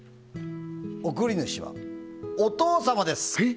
送り主は、お父様です。